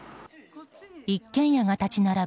一軒家が立ち並ぶ